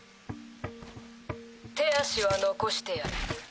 手足は残してやる。